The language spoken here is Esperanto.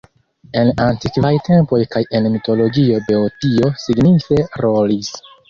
En antikvaj tempoj kaj en mitologio Beotio signife rolis.